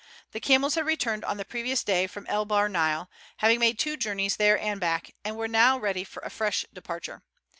The camels had returned on the previous day from El Bahr Nile, having made two journeys there and back, and were now ready for a fresh departure.